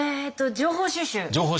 情報収集。